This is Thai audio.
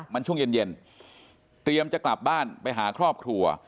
มันช่วงเย็นเตรียมจะกลับบ้านไปหาครอบครัว